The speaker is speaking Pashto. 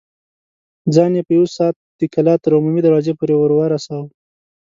ځان يې په يوه سا د کلا تر عمومي دروازې پورې ورساوه.